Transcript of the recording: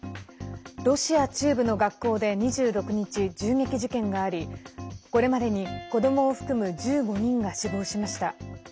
ロシア中部の学校で２６日銃撃事件がありこれまでに子どもを含む１５人が死亡しました。